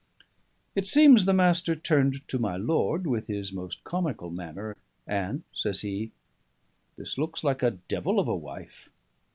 It seems the Master turned to my lord with his most comical manner, and says he, "This looks like a devil of a wife."